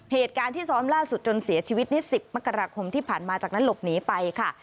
เหตุการณ์ที่ซ้อมล่าสุดจนเสียชีวิตใน๑๐มกราคมที่ผ่านมาจากนั้นหลบหนีไปค่ะ